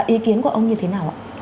ý kiến của ông như thế nào ạ